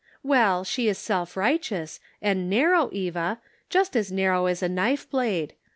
" Well, she is self righteous ; and narrow, Eva; just as narrow as a knife blade.